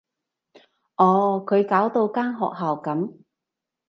哦，佢搞到間學校噉